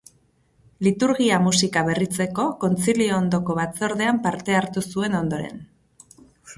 Liturgia Musika Berritzeko Kontzilio ondoko Batzordean parte hartu zuen ondoren.